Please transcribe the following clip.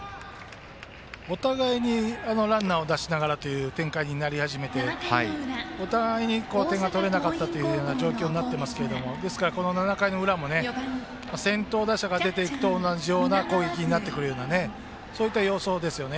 お互いにランナーを出しながらという展開になり始めてお互いに、点が取れなかった状況になってますけどですから、７回の裏も先頭打者が出ていくと同じような攻撃になってくるような様相ですよね。